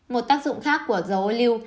một tác dụng khác của dầu ô lưu